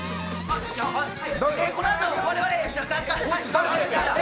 このあと、我々。